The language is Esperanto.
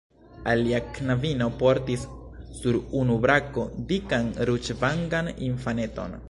Alia knabino portis sur unu brako dikan, ruĝvangan infaneton.